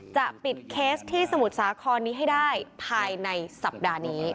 จะปิดเคสที่สมุทรสาครนี้ให้ได้ภายในสัปดาห์นี้